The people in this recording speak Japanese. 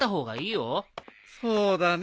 そうだね。